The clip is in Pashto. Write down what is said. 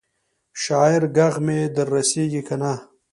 شاعره ږغ مي در رسیږي کنه؟